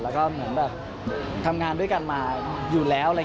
แล้วก็เหมือนแบบทำงานด้วยกันมาอยู่แล้ว